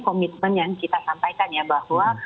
komitmen yang kita sampaikan ya bahwa